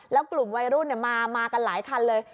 แล้วกลุ่มวัยรุ่นมากันหลายคันเลย